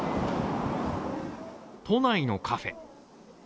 都内のカフェ。